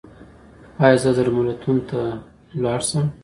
ایا زه درملتون ته لاړ شم؟